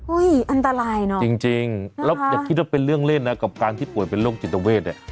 อันตรายเนอะจริงแล้วอย่าคิดว่าเป็นเรื่องเล่นนะกับการที่ป่วยเป็นโรคจิตเวทเนี่ย